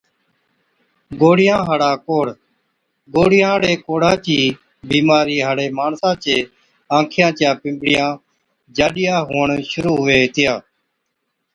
گوڙهِيان هاڙا ڪوڙه، گوڙهِيان هاڙي ڪوڙها چِي بِيمارِي هاڙي ماڻسا چي آنکِيان چِيا پنبڙِيا جاڏِيا هُوَڻ شرُوع هُوي هِتِيا۔